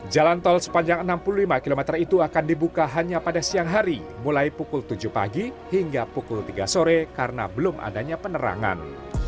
jalan tol sepanjang enam puluh lima km itu akan dibuka hanya pada siang hari mulai pukul tujuh pagi hingga pukul tiga sore karena belum adanya penerangan